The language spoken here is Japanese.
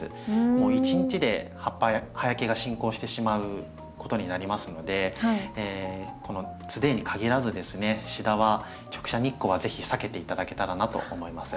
もう１日で葉焼けが進行してしまうことになりますのでこのツデーにかぎらずですねシダは直射日光は是非避けて頂けたらなと思います。